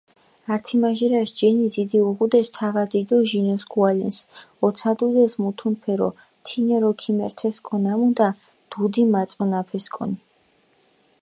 ართიმაჟირაშ ჯინი დიდი უღუდეს თავადი დო ჟინოსქუალენს, ოცადუდეს მუთუნფერო, თინერო ქიმერთესკო ნამუდა დუდი მაწონაფესკონი.